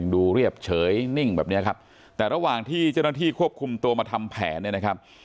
ดูเรียบเฉยนิ่งแบบเนี้ยครับแต่ระหว่างที่เจ้าหน้าที่ควบคุมตัวมาทำแผนเนี่ยนะครับ